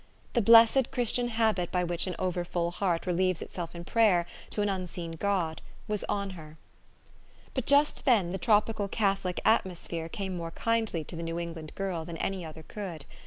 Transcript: The blessed Christian habit by which an over full heart relieves itself in prayer to an un seen God, was on her. But just then the tropical Catholic atmosphere came more kindly to the New England girl than any other could.